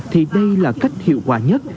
thì đây là cách hiệu quả nhất